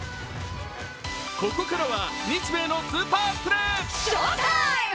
ここからは日米のスーパープレー。